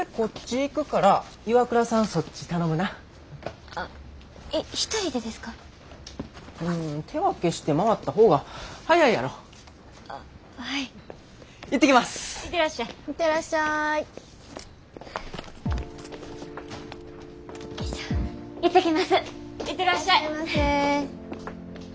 行ってらっしゃいませ。